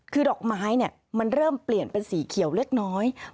คือดอกไม้มันเริ่มเปลี่ยนเป็นสีเขียวเล็กน้อย